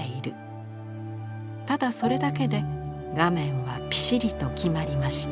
ただそれだけで画面はぴしりときまりました」。